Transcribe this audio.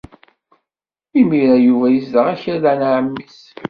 Imir-a Yuba yezdeɣ akked ɛemmi-s.